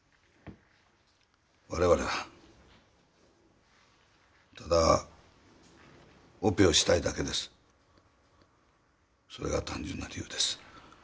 我々はただオペをしたいだけですそれが単純な理由です